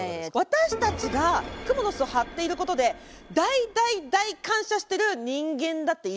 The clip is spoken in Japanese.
私たちがクモの巣を張っていることで大大大感謝している人間だっているんですよ。